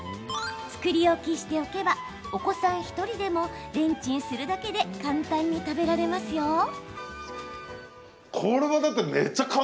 作り置きしておけばお子さん１人でもレンチンするだけで簡単に食べられますよ。